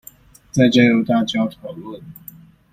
再交由大家討論